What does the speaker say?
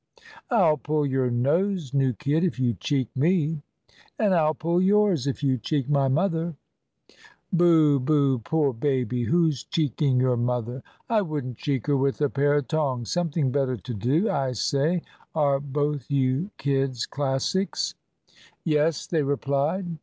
"I'll pull your nose, new kid, if you cheek me." "And I'll pull yours, if you cheek my mother." "Booh, booh, poor baby! Who's cheeking your mother? I wouldn't cheek her with a pair of tongs. Something better to do. I say, are both you kids Classics?" "Yes," they replied.